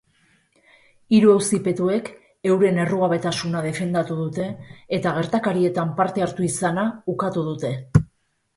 Hiru auzipetuek euren errugabetasuna defendatu dute eta gertakarietan parte hartu izana ukatu dute.